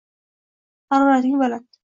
Harorating baland.